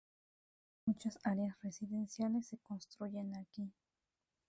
Muchas áreas residenciales se construyen aquí.